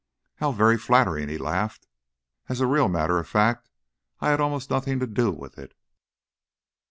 "How very flattering!" he laughed. "As a real matter of fact, I had almost nothing to do with it."